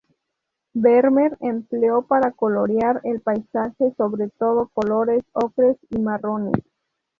Vermeer empleó para colorear el paisaje sobre todo colores ocres y marrones.